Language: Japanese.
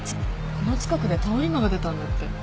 この近くで通り魔が出たんだって